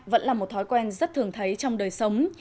vẫn là một thói quen rất thường thấy trong đời sống